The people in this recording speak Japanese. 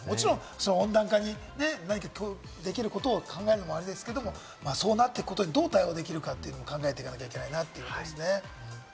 温暖化にできることを考えるのもあれですけれども、そうなっていくことで、どう対応できるか考えていかなきゃいけないなと思いますね。